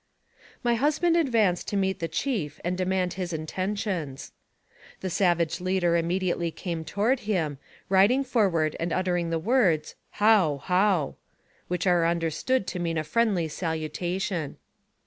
My husband advanced to meet the chief and demand his intentions. The savage leader immediately came toward him, riding forward and uttering the words, "How! how!" which are understood to mean a friendly salutation.